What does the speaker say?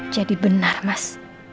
jadi benar mas